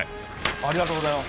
ありがとうございます！